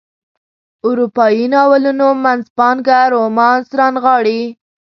اروپایي ناولونو منځپانګه رومانس رانغاړي.